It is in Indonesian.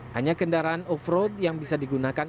hanya kendaraan off road yang bisa digunakan